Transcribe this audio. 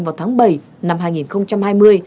vào tháng bảy năm hai nghìn hai mươi